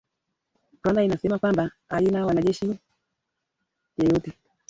Rwanda inasema kwamba haina mwanajeshi yeyote